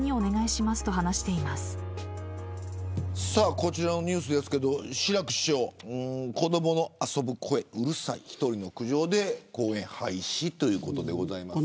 こちらのニュースですけど志らく師匠子どもの遊ぶ声うるさい１人の苦情で公園廃止ということですが。